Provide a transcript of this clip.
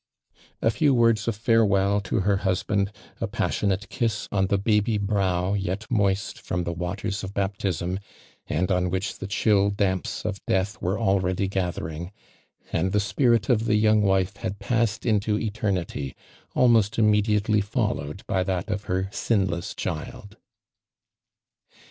A few words of farewell to her husband, a passionate kiss on the baby brow yet moist from the waters of baptism, and on which the chill damps of death were already gathering, and the spirit of the young wife had passed into eternity, almost immedi ately followed by that of her sinless child.